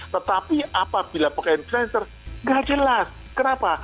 kenapa bila pake influencer gak jelas kenapa